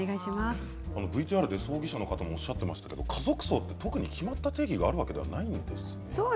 ＶＴＲで葬儀社の方もおっしゃっていましたが家族葬って決まった定義があるわけじゃないんですね。